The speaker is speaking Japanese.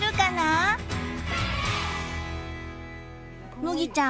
むぎちゃん